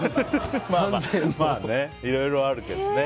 まあ、いろいろあるけどね。